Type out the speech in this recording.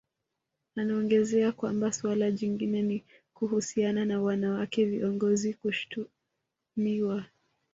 Anaongezea kwamba suala jingine ni kuhusiana na wanawake viongozi kushtumiwa